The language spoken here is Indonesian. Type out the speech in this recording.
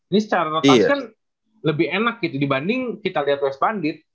ini secara total kan lebih enak gitu dibanding kita lihat west bandit